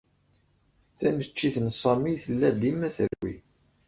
Taneččit n Sami tella dima terwi.